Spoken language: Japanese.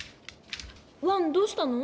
ワンどうしたの？